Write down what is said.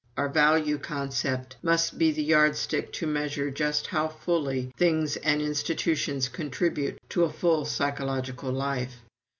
Our value concept must be the yardstick to measure just how fully things and institutions contribute to a full psychological life.